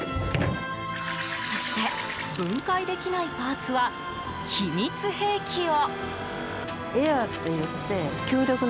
そして、分解できないパーツは秘密兵器を。